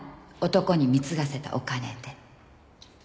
男に貢がせたお金で。